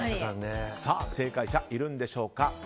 正解者、いるんでしょうか。